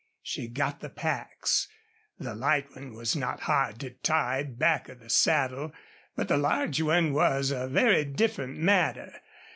She got the packs. The light one was not hard to tie back of the saddle, but the large one was a very different matter.